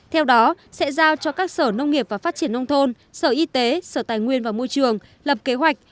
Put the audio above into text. theo đó sẽ giao cho các sở nông nghiệp và phát triển nông thôn sở y tế sở tài nguyên và môi trường lập kế hoạch